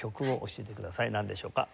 なんでしょうか？